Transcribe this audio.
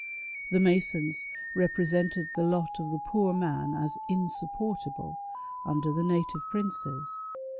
The Masons represented the lot of the poor man as insupportable, under the native princes.